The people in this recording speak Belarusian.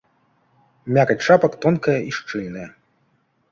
Мякаць шапак тонкая і шчыльная.